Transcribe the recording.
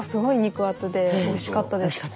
おいしかったですか。